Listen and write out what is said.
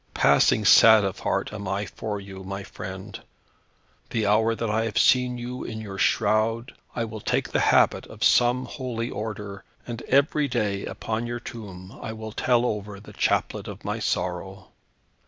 Passing sad of heart am I for you, my friend. The hour that I have seen you in your shroud, I will take the habit of some holy order, and every day, upon your tomb, I will tell over the chaplet of my sorrow."